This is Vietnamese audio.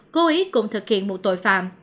cố ý cũng thực hiện một tội phạm